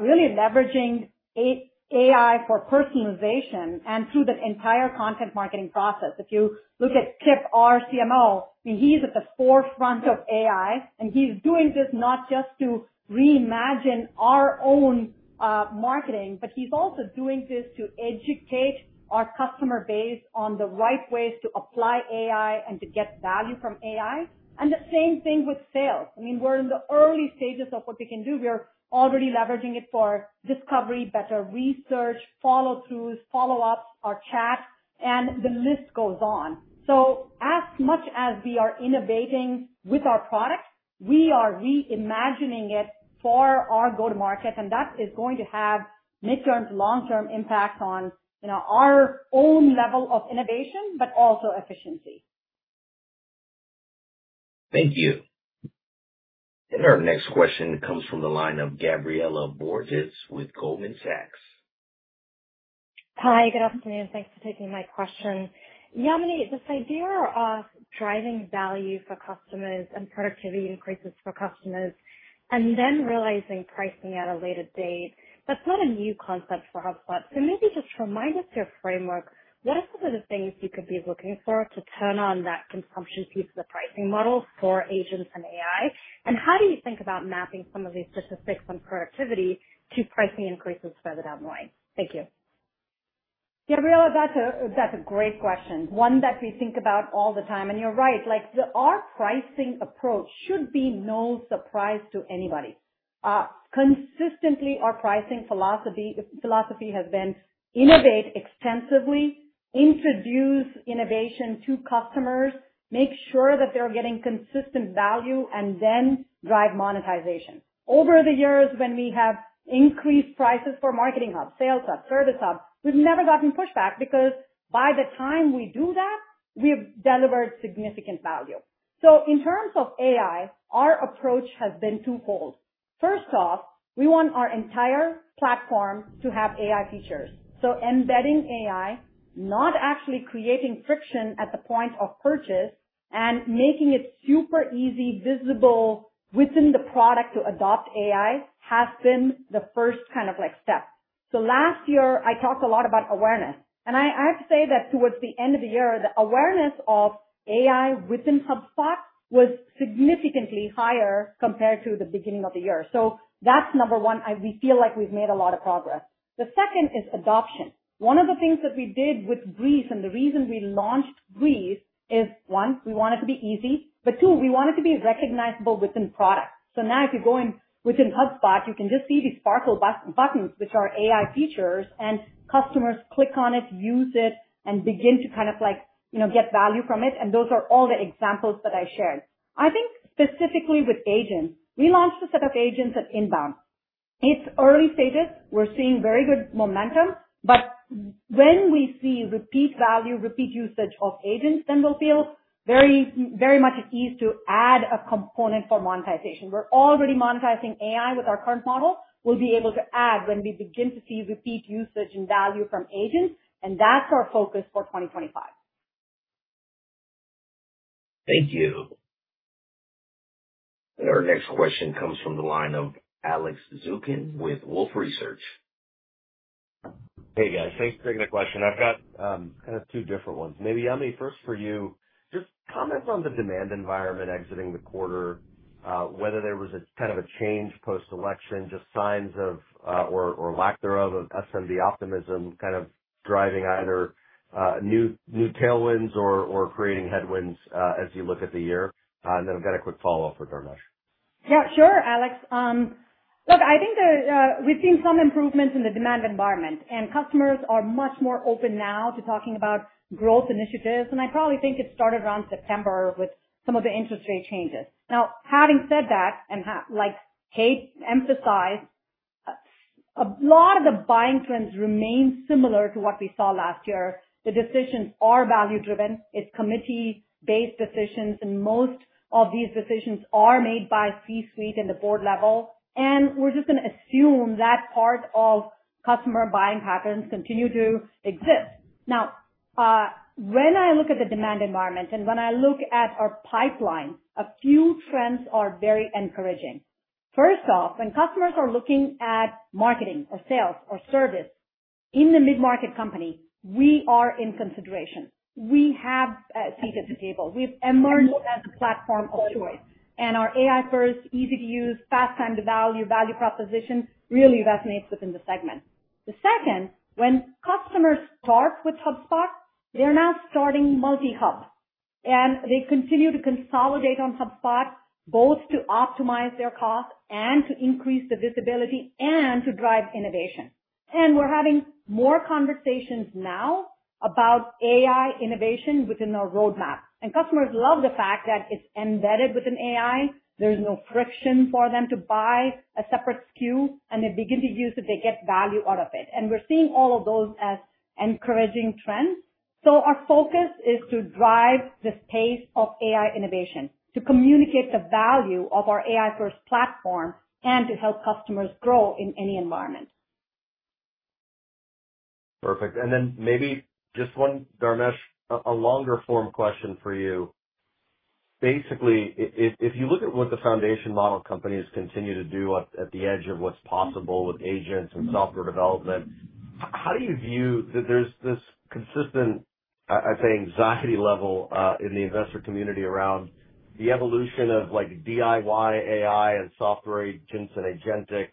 really leveraging AI for personalization and through the entire content marketing process. If you look at Kip Bodnar, CMO, he's at the forefront of AI. And he's doing this not just to reimagine our own marketing, but he's also doing this to educate our customer base on the right ways to apply AI and to get value from AI. And the same thing with sales. I mean, we're in the early stages of what we can do. We're already leveraging it for discovery, better research, follow-throughs, follow-ups, our chat, and the list goes on. So as much as we are innovating with our product, we are reimagining it for our go-to-market. And that is going to have midterm, long-term impacts on our own level of innovation, but also efficiency. Thank you. And our next question comes from the line of Gabriela Borges with Goldman Sachs. Hi, good afternoon. Thanks for taking my question. Yamini, this idea of driving value for customers and productivity increases for customers, and then realizing pricing at a later date, that's not a new concept for HubSpot. So maybe just remind us your framework. What are some of the things you could be looking for to turn on that consumption piece of the pricing model for agents and AI? And how do you think about mapping some of these statistics on productivity to pricing increases further down the line? Thank you. Gabriela, that's a great question. One that we think about all the time. And you're right. Our pricing approach should be no surprise to anybody. Consistently, our pricing philosophy has been innovate extensively, introduce innovation to customers, make sure that they're getting consistent value, and then drive monetization. Over the years, when we have increased prices for Marketing Hub, Sales Hub, Service Hub, we've never gotten pushback because by the time we do that, we've delivered significant value. So in terms of AI, our approach has been twofold. First off, we want our entire platform to have AI features. So embedding AI, not actually creating friction at the point of purchase, and making it super easy, visible within the product to adopt AI has been the first kind of step. So last year, I talked a lot about awareness. And I have to say that towards the end of the year, the awareness of AI within HubSpot was significantly higher compared to the beginning of the year. So that's number one. We feel like we've made a lot of progress. The second is adoption. One of the things that we did with Breeze, and the reason we launched Breeze is, one, we want it to be easy, but two, we want it to be recognizable within product. So now if you go in within HubSpot, you can just see these sparkle buttons, which are AI features, and customers click on it, use it, and begin to kind of get value from it. And those are all the examples that I shared. I think specifically with agents, we launched a set of agents at INBOUND. It's early stages. We're seeing very good momentum. But when we see repeat value, repeat usage of agents, then we'll feel very much at ease to add a component for monetization. We're already monetizing AI with our current model. We'll be able to add when we begin to see repeat usage and value from agents. That's our focus for 2025. Thank you. Our next question comes from the line of Alex Zukin with Wolfe Research. Hey, guys. Thanks for taking the question. I've got kind of two different ones. Maybe Yamini, first for you, just comments on the demand environment exiting the quarter, whether there was kind of a change post-election, just signs of or lack thereof of SMB optimism kind of driving either new tailwinds or creating headwinds as you look at the year. Then I've got a quick follow-up for Dharmesh. Yeah, sure, Alex. Look, I think we've seen some improvements in the demand environment. Customers are much more open now to talking about growth initiatives. I probably think it started around September with some of the interest rate changes. Now, having said that, and like Kate emphasized, a lot of the buying trends remain similar to what we saw last year. The decisions are value-driven. It's committee-based decisions. And most of these decisions are made by C-suite and the board level. And we're just going to assume that part of customer buying patterns continue to exist. Now, when I look at the demand environment and when I look at our pipeline, a few trends are very encouraging. First off, when customers are looking at marketing or sales or service in the mid-market company, we are in consideration. We have a seat at the table. We've emerged as a platform of choice. And our AI-first, easy-to-use, fast-time-to-value value proposition really resonates within the segment. The second, when customers start with HubSpot, they're now starting Multi-Hub. And they continue to consolidate on HubSpot, both to optimize their cost and to increase the visibility and to drive innovation. And we're having more conversations now about AI innovation within our roadmap. And customers love the fact that it's embedded within AI. There's no friction for them to buy a separate SKU, and they begin to use it. They get value out of it. And we're seeing all of those as encouraging trends. So our focus is to drive the pace of AI innovation, to communicate the value of our AI-first platform, and to help customers grow in any environment. Perfect. And then maybe just one, Dharmesh, a longer-form question for you. Basically, if you look at what the foundation model companies continue to do at the edge of what's possible with agents and software development, how do you view that there's this consistent, I'd say, anxiety level in the investor community around the evolution of DIY AI and software agents and agentic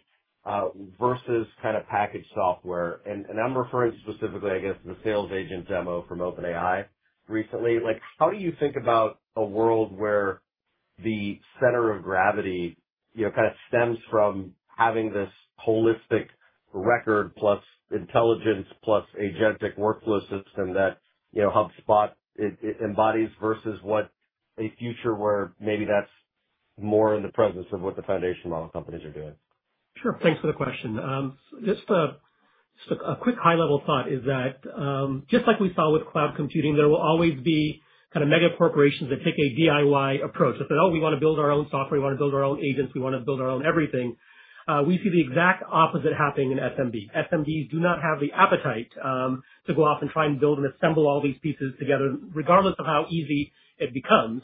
versus kind of package software? And I'm referring specifically, I guess, to the sales agent demo from OpenAI recently. How do you think about a world where the center of gravity kind of stems from having this holistic record plus intelligence plus agentic workflow system that HubSpot embodies versus what a future where maybe that's more in the presence of what the foundation model companies are doing? Sure. Thanks for the question. Just a quick high-level thought is that just like we saw with cloud computing, there will always be kind of mega corporations that take a DIY approach. They say, "Oh, we want to build our own software. We want to build our own agents. We want to build our own everything." We see the exact opposite happening in SMB. SMBs do not have the appetite to go off and try and build and assemble all these pieces together, regardless of how easy it becomes.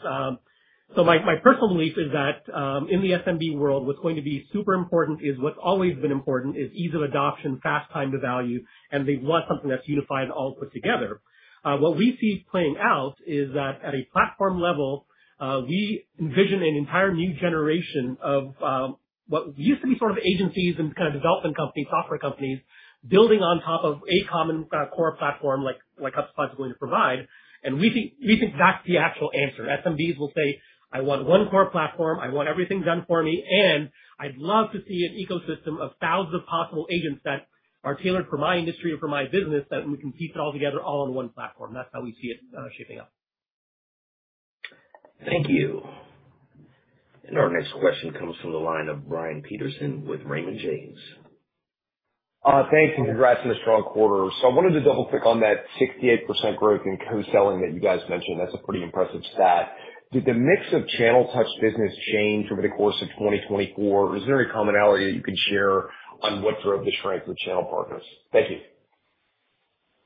So my personal belief is that in the SMB world, what's going to be super important is what's always been important is ease of adoption, fast time to value, and they want something that's unified all put together. What we see playing out is that at a platform level, we envision an entire new generation of what used to be sort of agencies and kind of development companies, software companies, building on top of a common core platform like HubSpot is going to provide. And we think that's the actual answer. SMBs will say, "I want one core platform. I want everything done for me. And I'd love to see an ecosystem of thousands of possible agents that are tailored for my industry and for my business that we can piece it all together all on one platform." That's how we see it shaping up. Thank you. And our next question comes from the line of Brian Peterson with Raymond James. Thanks. And congrats on the strong quarter. So I wanted to double-click on that 68% growth in co-selling that you guys mentioned. That's a pretty impressive stat. Did the mix of channel-touch business change over the course of 2024? Is there a commonality that you can share on what drove the strength of channel partners? Thank you.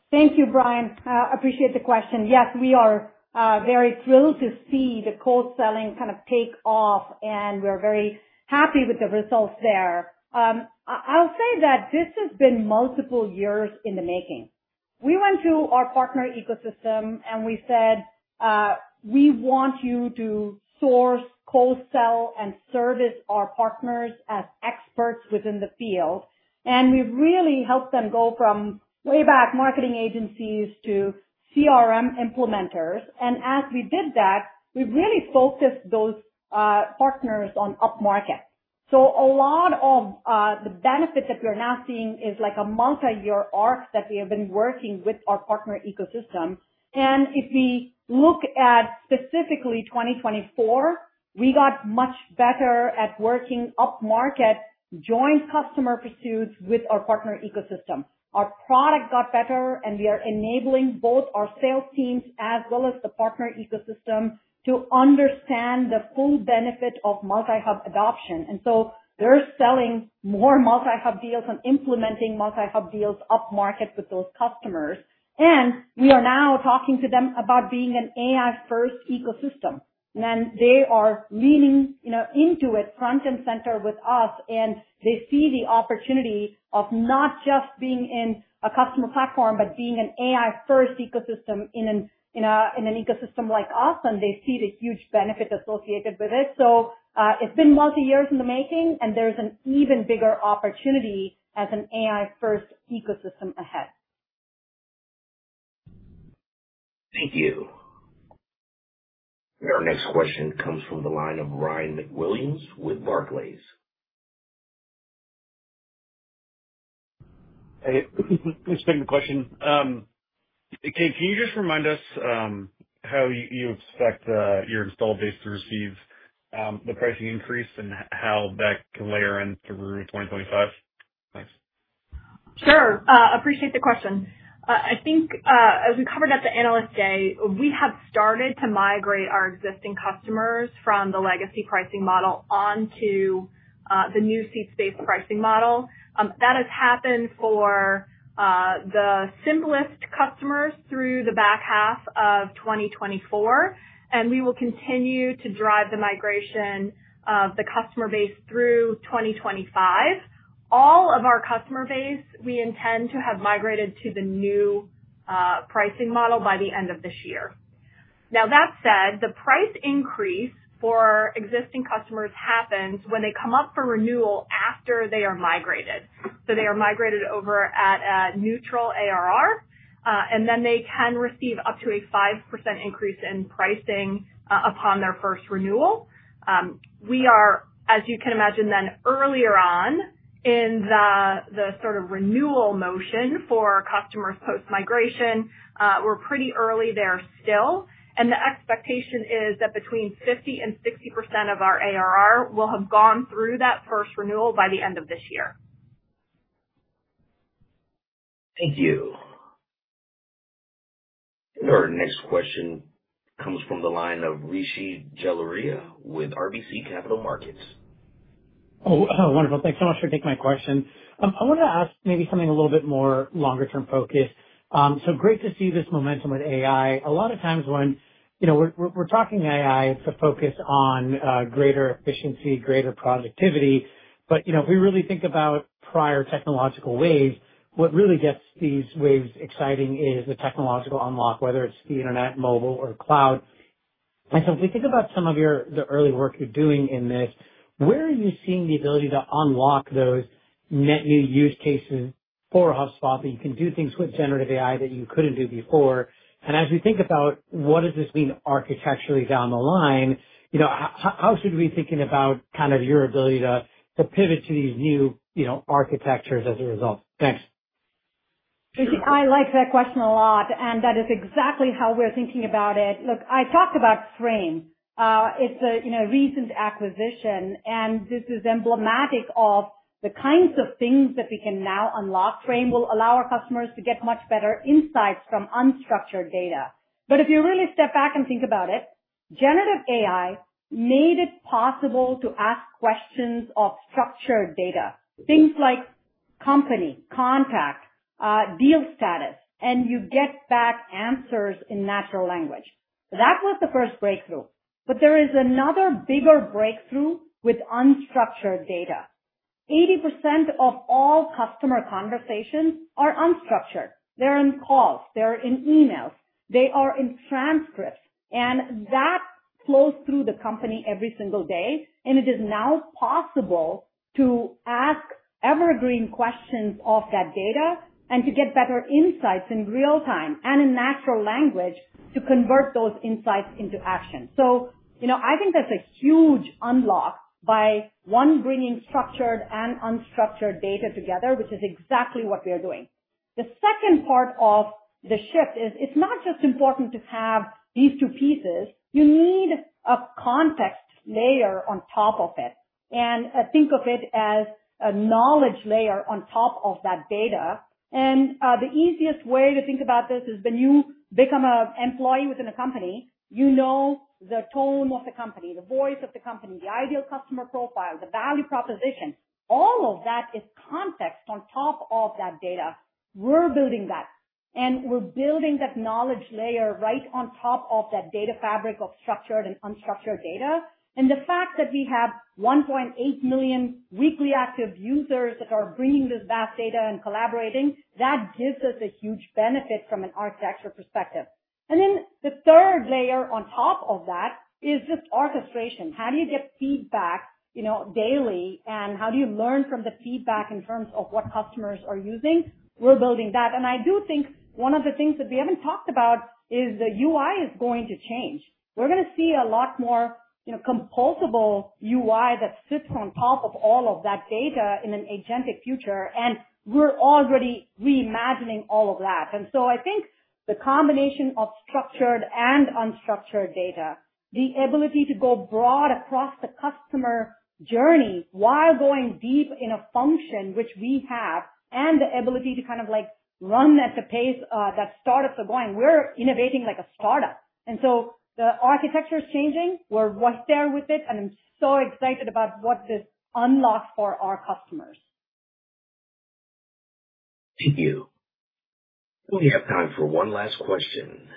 Thank you, Brian. I appreciate the question. Yes, we are very thrilled to see the co-selling kind of take off. We're very happy with the results there. I'll say that this has been multiple years in the making. We went to our partner ecosystem, and we said, "We want you to source, co-sell, and service our products as experts within the field." We've really helped them go from web marketing agencies to CRM implementers. As we did that, we've really focused those partners on the upmarket. A lot of the benefit that we're now seeing is like a multi-year arc that we have been working with our partner ecosystem. If we look at specifically 2024, we got much better at working upmarket, joint customer pursuits with our partner ecosystem. Our product got better, and we are enabling both our sales teams as well as the partner ecosystem to understand the full benefit of Multi-Hub adoption. And so they're selling more Multi-Hub deals and implementing Multi-Hub deals up-market with those customers. We are now talking to them about being an AI-first ecosystem. They are leaning into it front and center with us. They see the opportunity of not just being in a customer platform, but being an AI-first ecosystem in an ecosystem like us. They see the huge benefit associated with it. It's been multi-years in the making, and there's an even bigger opportunity as an AI-first ecosystem ahead. Thank you. Our next question comes from the line of Ryan MacWilliams with Barclays. Thanks for taking the question. Kate, can you just remind us how you expect your installed base to receive the pricing increase and how that can layer in through 2025? Thanks. Sure. Appreciate the question. I think as we covered at the Analyst Day, we have started to migrate our existing customers from the legacy pricing model onto the new seat-based pricing model. That has happened for the simplest customers through the back half of 2024, and we will continue to drive the migration of the customer base through 2025. All of our customer base, we intend to have migrated to the new pricing model by the end of this year. Now, that said, the price increase for existing customers happens when they come up for renewal after they are migrated, so they are migrated over at a neutral ARR, and then they can receive up to a 5% increase in pricing upon their first renewal. We are, as you can imagine, then earlier on in the sort of renewal motion for customers post-migration. We're pretty early there still. The expectation is that between 50% and 60% of our ARR will have gone through that first renewal by the end of this year. Thank you. Our next question comes from the line of Rishi Jaluria with RBC Capital Markets. Oh, wonderful. Thanks so much for taking my question. I wanted to ask maybe something a little bit more longer-term focus. So great to see this momentum with AI. A lot of times when we're talking AI, it's a focus on greater efficiency, greater productivity. But if we really think about prior technological waves, what really gets these waves exciting is the technological unlock, whether it's the internet, mobile, or cloud. And so if we think about some of the early work you're doing in this, where are you seeing the ability to unlock those net new use cases for HubSpot that you can do things with generative AI that you couldn't do before? And as we think about what does this mean architecturally down the line, how should we be thinking about kind of your ability to pivot to these new architectures as a result? Thanks. I like that question a lot. And that is exactly how we're thinking about it. Look, I talked about Frame. It's a recent acquisition. And this is emblematic of the kinds of things that we can now unlock. Frame will allow our customers to get much better insights from unstructured data. But if you really step back and think about it, generative AI made it possible to ask questions of structured data, things like company, contact, deal status, and you get back answers in natural language. That was the first breakthrough. But there is another bigger breakthrough with unstructured data. 80% of all customer conversations are unstructured. They're in calls. They're in emails. They are in transcripts. And that flows through the company every single day. And it is now possible to ask evergreen questions of that data and to get better insights in real time and in natural language to convert those insights into action. So I think that's a huge unlock by, one, bringing structured and unstructured data together, which is exactly what we are doing. The second part of the shift is it's not just important to have these two pieces. You need a context layer on top of it. And think of it as a knowledge layer on top of that data. And the easiest way to think about this is when you become an employee within a company, you know the tone of the company, the voice of the company, the ideal customer profile, the value proposition. All of that is context on top of that data. We're building that. And we're building that knowledge layer right on top of that data fabric of structured and unstructured data. And the fact that we have 1.8 million weekly active users that are bringing this vast data and collaborating, that gives us a huge benefit from an architecture perspective. And then the third layer on top of that is just orchestration. How do you get feedback daily? How do you learn from the feedback in terms of what customers are using? We're building that. I do think one of the things that we haven't talked about is the UI is going to change. We're going to see a lot more composable UI that sits on top of all of that data in an agentic future. We're already reimagining all of that. I think the combination of structured and unstructured data, the ability to go broad across the customer journey while going deep in a function, which we have, and the ability to kind of run at the pace that startups are going, we're innovating like a startup. The architecture is changing. We're right there with it. I'm so excited about what this unlocks for our customers. Thank you. We only have time for one last question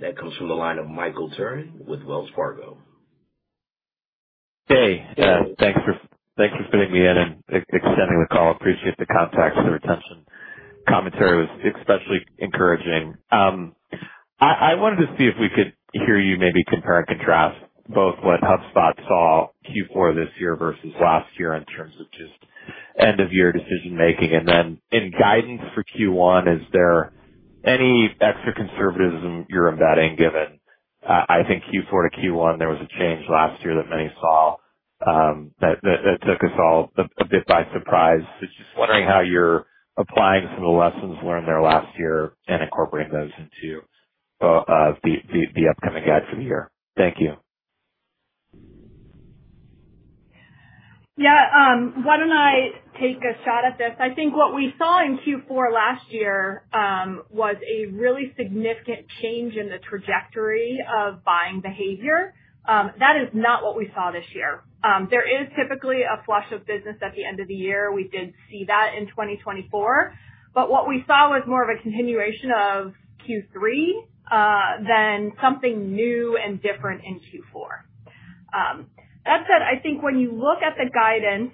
that comes from the line of Michael Turrin with Wells Fargo. Hey. Thanks for fitting me in and extending the call. Appreciate the context. The retention commentary was especially encouraging. I wanted to see if we could hear you maybe compare and contrast both what HubSpot saw Q4 this year versus last year in terms of just end-of-year decision-making, and then in guidance for Q1, is there any extra conservatism you're embedding given I think Q4 to Q1 there was a change last year that many saw that took us all a bit by surprise, so just wondering how you're applying some of the lessons learned there last year and incorporating those into the upcoming guide for the year. Thank you. Yeah. Why don't I take a shot at this? I think what we saw in Q4 last year was a really significant change in the trajectory of buying behavior. That is not what we saw this year. There is typically a flush of business at the end of the year. We did see that in 2024. But what we saw was more of a continuation of Q3 than something new and different in Q4. That said, I think when you look at the guidance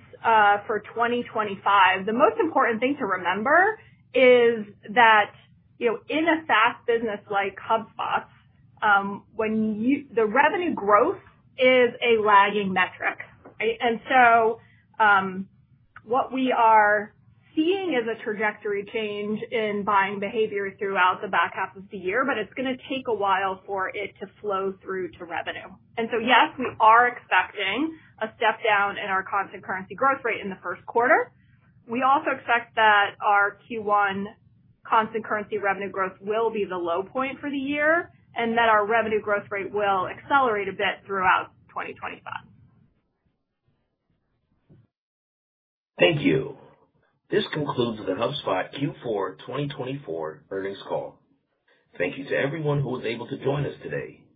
for 2025, the most important thing to remember is that in a SaaS business like HubSpot, the revenue growth is a lagging metric. And so what we are seeing is a trajectory change in buying behavior throughout the back half of the year, but it's going to take a while for it to flow through to revenue. And so yes, we are expecting a step down in our constant currency growth rate in the first quarter. We also expect that our Q1 constant currency revenue growth will be the low point for the year and that our revenue growth rate will accelerate a bit throughout 2025. Thank you. This concludes the HubSpot Q4 2024 Earnings Call. Thank you to everyone who was able to join us today.